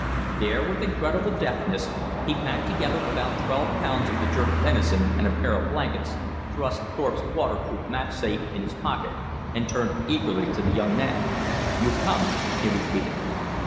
There, with incredible deftness, he packed together about twelve pounds of the jerked venison and a pair of blankets, thrust Thorpe's waterproof match safe in his pocket, and turned eagerly to the young man. "You come," he repeated.